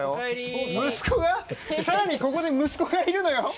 息子が更にここで息子がいるのよ！